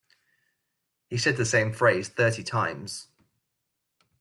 He said the same phrase thirty times.